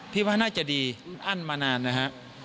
พี่ว่าน่าจะดีอั้นมานานนะฮะ